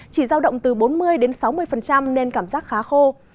chỉ giao động từ bốn mươi đến sáu mươi nên cảm giác khá khô